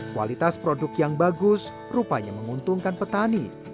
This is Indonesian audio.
kualitas produk yang bagus rupanya menguntungkan petani